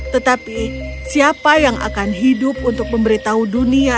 tetapi siapa yang akan hidup untuk memberitahu dunia